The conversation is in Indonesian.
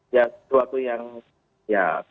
ya suatu yang ya